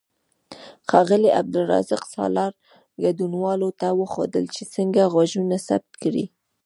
ښاغلي عبدالرزاق سالار ګډونوالو ته وښودل چې څنګه غږونه ثبت کړي.